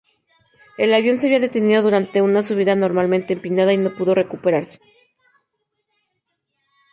El avión se había detenido durante una subida anormalmente empinada y no pudo recuperarse.